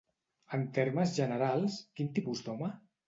En termes generals, quin tipus d'home?